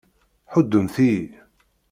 Ḥuddemt-iyi!